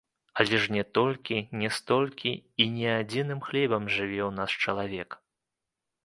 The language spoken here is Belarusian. Але ж не толькі, не столькі і не адзіным хлебам жыве ў нас чалавек.